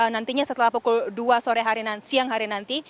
nantinya setelah pukul dua siang hari nanti